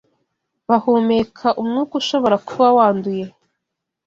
bahumeka umwuka ushobora kuba wanduye